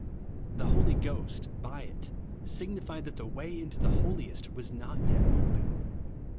The Holy Ghost, by it, signified that the way into the Hohest was not yet open.